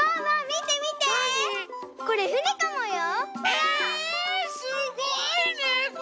えすごいねこれ！